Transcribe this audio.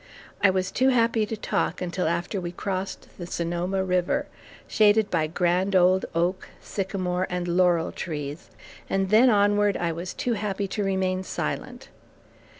I was too happy to talk until after we crossed the Sonoma River, shaded by grand old oak, sycamore, and laurel trees, and then onward, I was too happy to remain silent.